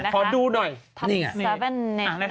ขอดูหน่อย